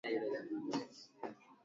Ugonjwa wa kiwele kwa ngombe